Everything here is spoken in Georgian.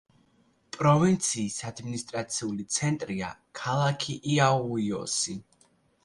პროვინციის ადმინისტრაციული ცენტრია ქალაქი იაუიოსი.